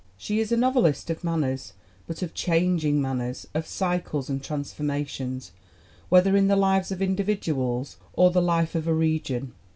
She is a novelist of manners, but of changing man ners; of cycles and transformations, whether in the lives of individuals or the life of a region.